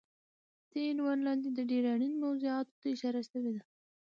دې عنوان لاندې د ډېرې اړینې موضوعاتو ته اشاره شوی دی